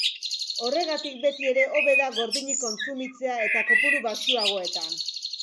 Horregatik beti ere hobe da gordinik kontsumitzea eta kopuru baxuagoetan.